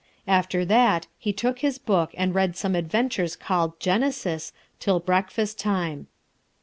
After that he took his book and read some adventures called "Genesis" till breakfast time.